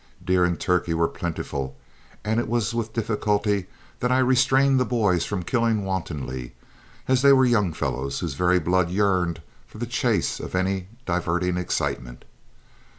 Deer and turkey were plentiful, and it was with difficulty that I restrained the boys from killing wantonly, as they were young fellows whose very blood yearned for the chase or any diverting excitement.